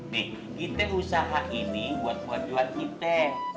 nih kita usaha ini buat buat kita